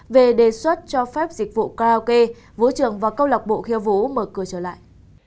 về đề xuất cho phép dịch vụ karaoke vũ trường và câu lạc bộ khiêu vũ mở cửa trở lại